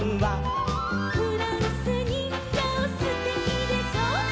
「フランスにんぎょうすてきでしょ」